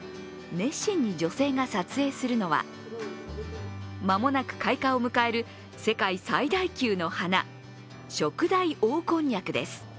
熱心に女性が撮影するのは間もなく開花を迎える世界最大級の花、ショクダイオオコンニャクです。